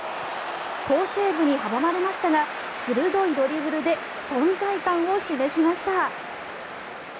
好セーブに阻まれましたが鋭いドリブルで存在感を示しました。